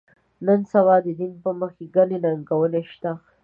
نن سبا د دین په مخ کې ګڼې ننګونې شته.